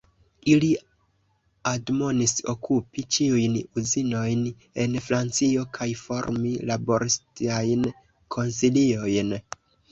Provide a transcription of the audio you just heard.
Ili admonis okupi ĉiujn uzinojn en Francio kaj formi laboristajn konsiliojn.